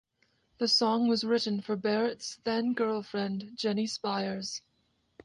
The song was written for Barrett's then girlfriend, Jenny Spires.